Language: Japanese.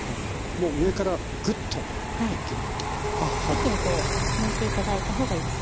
一気に抜いて頂いた方がいいですね。